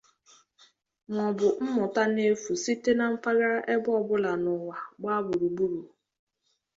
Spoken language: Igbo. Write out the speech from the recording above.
maọbụ mmụta n'efu site na mpaghara ebe ọbụla n'ụwa gbaa gburugburu